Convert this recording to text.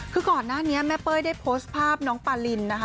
คือก่อนหน้านี้แม่เป้ยได้โพสต์ภาพน้องปาลินนะคะ